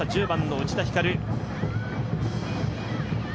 １０番・内田光。